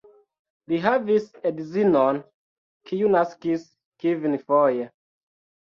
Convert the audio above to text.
Li havis edzinon, kiu naskis kvinfoje.